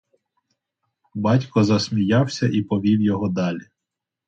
Батько засміявся і повів його далі.